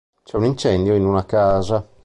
C'è un incendio in una casa.